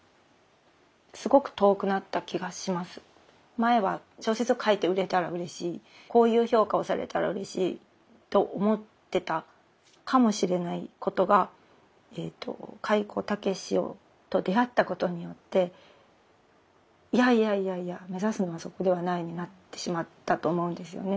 前は「小説を書いて売れたらうれしいこういう評価をされたらうれしい」と思ってたかもしれないことが開高健と出会ったことによって「いやいやいやいや目指すのはそこではない」になってしまったと思うんですよね。